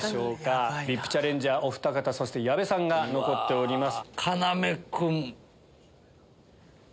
ＶＩＰチャレンジャーおふた方そして矢部さんが残ってます。